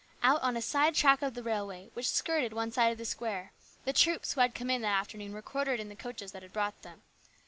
Out on a side track of the railway, which skirted one side of the square, the troops who had come in that afternoon were quartered in the coaches which brought them.